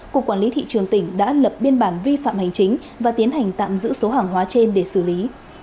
cục quản lý thị trường tỉnh đã lập biên bản vi phạm hành chính và tiến hành tạm giữ số hàng hóa trên để xử lý